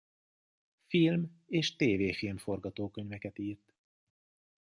Film- és tv-film-forgatókönyveket írt.